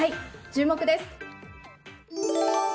注目です。